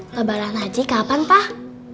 lebaran haji kapan pak